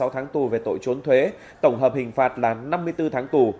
hai mươi sáu tháng tù về tội trốn thuế tổng hợp hình phạt là năm mươi bốn tháng tù